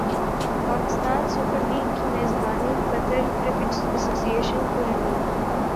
Pakistan super league کی میزبانیقطر cricket association پر امید